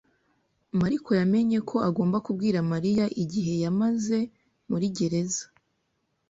Mariko yamenye ko agomba kubwira Mariya igihe yamaze muri gereza.